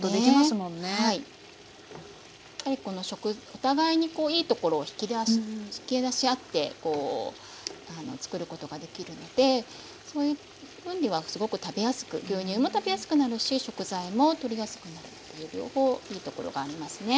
お互いにいいところを引き出し合ってこう作ることができるのでそういう分にはすごく食べやすく牛乳も食べやすくなるし食材もとりやすくなるという両方いいところがありますね。